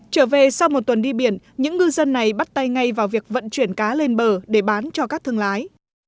trở về sau một tuần đi biển những ngư dân này bắt tay ngay vào việc vận chuyển cá lên bờ để bán cho các thương lái